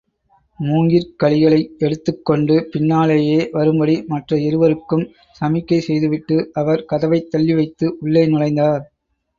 மூங்கிற்கழிகளை எடுத்துக் கொண்டு பின்னாலேயே வரும்படி மற்ற இருவருக்கும் சமிக்கை செய்துவிட்டு, அவர் கதவைத் தள்ளிவைத்து உள்ளே நுழைந்தார்.